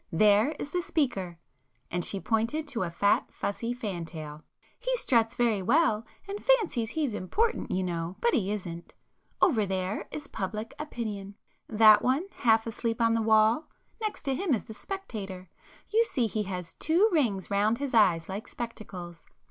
There is the 'Speaker'"—and she pointed to a fat fussy fantail—"He struts very well, and fancies he's important, you know, but he isn't. Over there is 'Public Opinion,'—that one half asleep on the wall; next to him is the 'Spectator,'—you see he has two rings round his eyes like spectacles.